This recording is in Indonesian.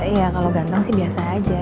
ya kalau ganteng sih biasa aja